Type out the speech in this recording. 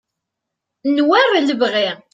n war lebɣi